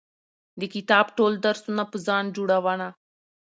د کتاب ټول درسونه په ځان جوړونه